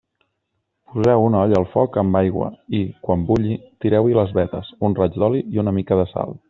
Poseu una olla al foc amb aigua i, quan bulli, tireu-hi les vetes, un raig d'oli i una mica de sal.